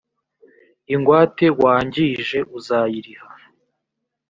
ingwate wangije uzayiriha.